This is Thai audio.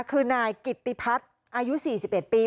คือนายกิตติพัฒน์อายุ๔๑ปี